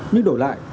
nhưng đổi lại